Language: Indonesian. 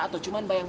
atau cuman bayangin